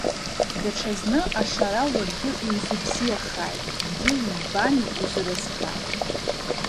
Даҽазны Ашара уаргьы иузыбзиахааит, дгьыли жәбани узыразхааит!